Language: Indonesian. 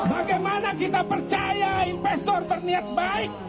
bagaimana kita percaya investor berniat baik